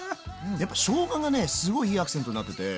やっぱしょうががねすごいいいアクセントになってて。